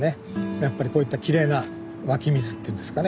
やっぱりこういったきれいな湧き水っていうんですかね